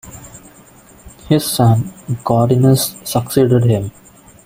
His son, Godinus, succeeded him.